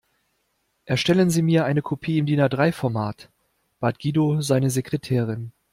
Erstellen Sie mir eine Kopie im DIN-A-drei Format, bat Guido seine Sekretärin.